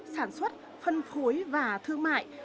sản xuất phân phối và thương mại